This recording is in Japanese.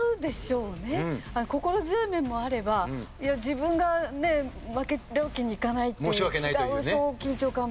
心強い面もあれば自分が負けるわけにいかないっていう違う緊張感もあるし。